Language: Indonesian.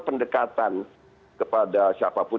pendekatan kepada siapapun